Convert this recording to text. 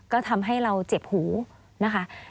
ก็ทำให้เราเจ็บหูนะคะ